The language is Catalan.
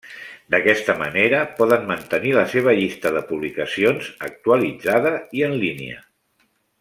D'aquesta manera, poden mantenir la seva llista de publicacions actualitzada i en línia.